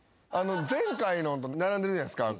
前回のと並んでるじゃないですか。